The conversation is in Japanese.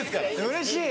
うれしい！